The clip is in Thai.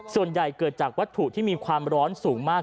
ส่วนใหญ่เกิดจากวัตถุที่มีความร้อนสูงมาก